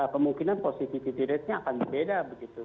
kemungkinan positivity ratenya akan berbeda begitu